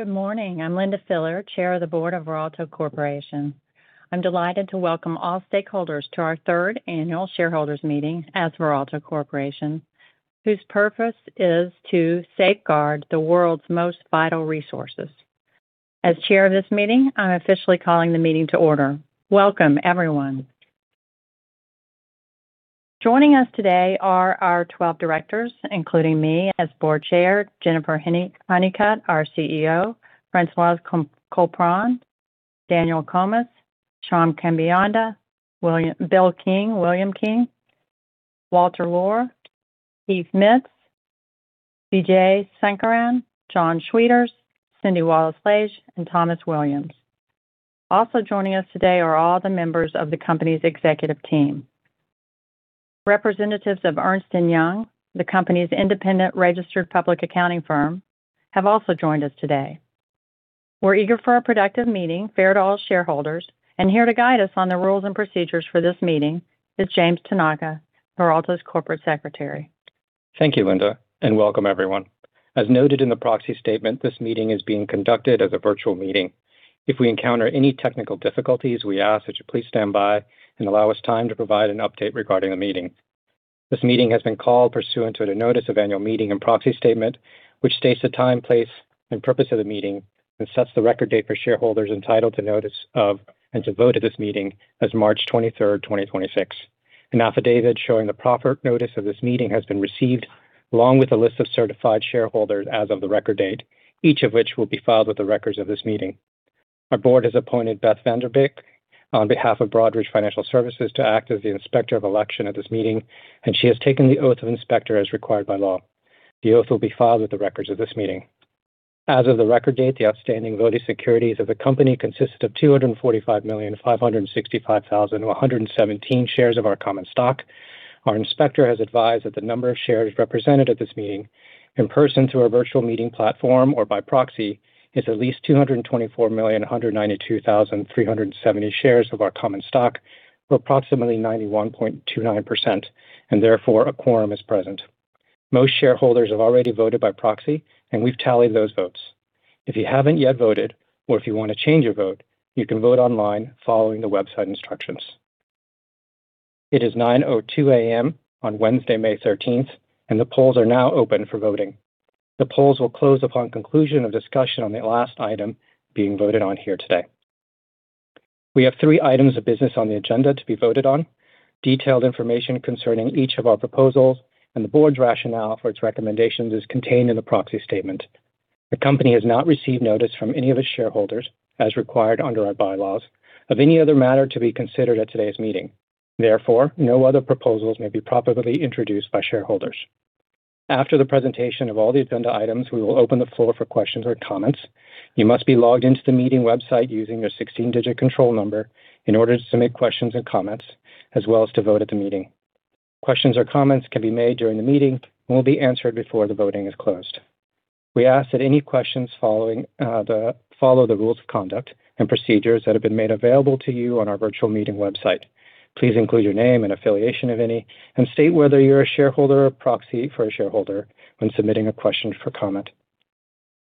Good morning. I'm Linda Filler, Chair of the Board of Veralto Corporation. I'm delighted to welcome all stakeholders to our third annual shareholders meeting as Veralto Corporation, whose purpose is to safeguard the world's most vital resources. As Chair of this meeting, I'm officially calling the meeting to order. Welcome, everyone. Joining us today are our 12 directors, including me as Board Chair, Jennifer Honeycutt, our CEO, Françoise Colpron, Daniel Comas, Shyam Kambeyanda, William King, Walter Lohr, Heath Mitts, Vijay Sankaran, John Schwieters, Cindy Wallis-Lage, and Thomas Williams. Also joining us today are all the members of the company's executive team. Representatives of Ernst & Young, the company's independent registered public accounting firm, have also joined us today. We're eager for a productive meeting, fair to all shareholders, and here to guide us on the rules and procedures for this meeting is James Tanaka, Veralto's Corporate Secretary. Thank you, Linda, and welcome everyone. As noted in the proxy statement, this meeting is being conducted as a virtual meeting. If we encounter any technical difficulties, we ask that you please stand by and allow us time to provide an update regarding the meeting. This meeting has been called pursuant to the Notice of Annual Meeting and Proxy Statement, which states the time, place, and purpose of the meeting and sets the record date for shareholders entitled to notice of and to vote at this meeting as March 23rd, 2026. An affidavit showing the proper notice of this meeting has been received, along with a list of certified shareholders as of the record date, each of which will be filed with the records of this meeting. Our board has appointed Beth Vander Beek on behalf of Broadridge Financial Solutions to act as the inspector of election at this meeting, and she has taken the oath of inspector as required by law. The oath will be filed with the records of this meeting. As of the record date, the outstanding voting securities of the company consisted of 245,565,117 shares of our common stock. Our inspector has advised that the number of shares represented at this meeting in person through our virtual meeting platform or by proxy is at least 224,192,370 shares of our common stock, or approximately 91.29%, and therefore, a quorum is present. Most shareholders have already voted by proxy, and we've tallied those votes. If you haven't yet voted or if you want to change your vote, you can vote online following the website instructions. It is 9:02 A.M. on Wednesday, May 13th, and the polls are now open for voting. The polls will close upon conclusion of discussion on the last item being voted on here today. We have three items of business on the agenda to be voted on. Detailed information concerning each of our proposals and the board's rationale for its recommendations is contained in the proxy statement. The company has not received notice from any of its shareholders, as required under our bylaws, of any other matter to be considered at today's meeting. Therefore, no other proposals may be properly introduced by shareholders. After the presentation of all the agenda items, we will open the floor for questions or comments. You must be logged into the meeting website using your 16-digit control number in order to submit questions and comments, as well as to vote at the meeting. Questions or comments can be made during the meeting and will be answered before the voting is closed. We ask that any questions following the rules of conduct and procedures that have been made available to you on our virtual meeting website. Please include your name and affiliation of any, and state whether you're a shareholder or proxy for a shareholder when submitting a question for comment.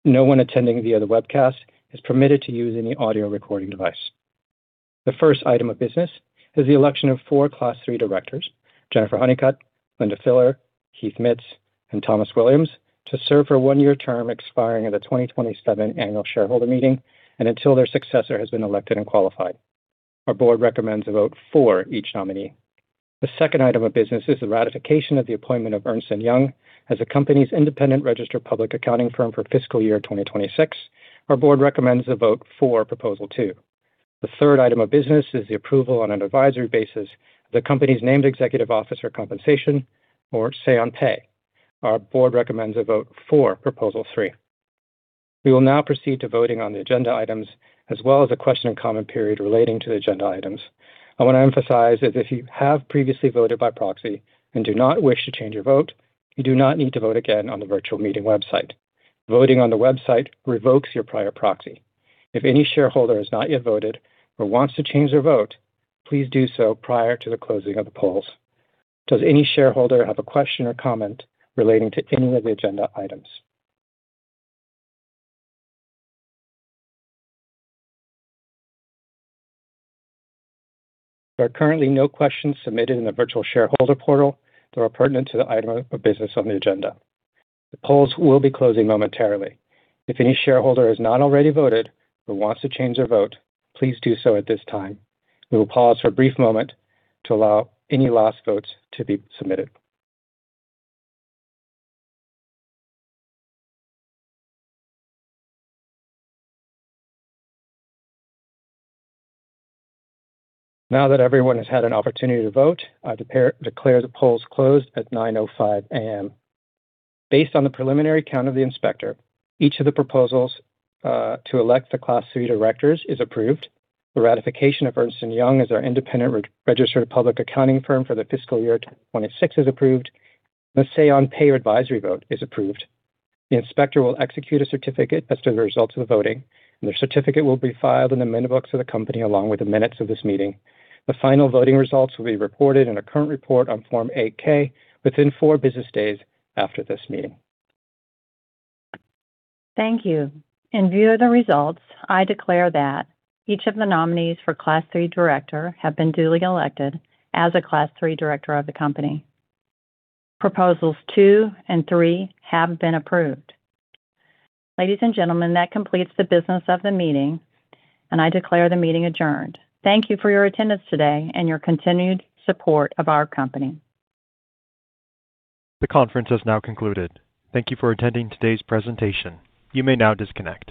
No one attending via the webcast is permitted to use any audio recording device. The first item of business is the election of four Class III directors, Jennifer Honeycutt, Linda Filler, Heath Mitts, and Thomas Williams, to serve for a one-year term expiring at the 2027 annual shareholder meeting and until their successor has been elected and qualified. Our board recommends a vote for each nominee. The second item of business is the ratification of the appointment of Ernst & Young as the company's independent registered public accounting firm for fiscal year 2026. Our board recommends a vote for proposal 2. The third item of business is the approval on an advisory basis of the company's named executive officer compensation or Say on Pay. Our board recommends a vote for proposal 3. We will now proceed to voting on the agenda items as well as a question and comment period relating to the agenda items. I want to emphasize that if you have previously voted by proxy and do not wish to change your vote, you do not need to vote again on the virtual meeting website. Voting on the website revokes your prior proxy. If any shareholder has not yet voted or wants to change their vote, please do so prior to the closing of the polls. Does any shareholder have a question or comment relating to any of the agenda items? There are currently no questions submitted in the virtual shareholder portal that are pertinent to the item of business on the agenda. The polls will be closing momentarily. If any shareholder has not already voted but wants to change their vote, please do so at this time. We will pause for a brief moment to allow any last votes to be submitted. Now that everyone has had an opportunity to vote, I declare the polls closed at 9:05 A.M. Based on the preliminary count of the inspector, each of the proposals to elect the Class III directors is approved. The ratification of Ernst & Young as our independent re-registered public accounting firm for the fiscal year 2026 is approved. The Say on Pay advisory vote is approved. The inspector will execute a certificate as to the results of the voting, and the certificate will be filed in the minute books of the company, along with the minutes of this meeting. The final voting results will be reported in a current report on Form 8-K within four business days after this meeting. Thank you. In view of the results, I declare that each of the nominees for Class III director have been duly elected as a Class III director of the company. Proposals 2 and 3 have been approved. Ladies and gentlemen, that completes the business of the meeting, and I declare the meeting adjourned. Thank you for your attendance today and your continued support of our company. The conference has now concluded. Thank you for attending today's presentation. You may now disconnect.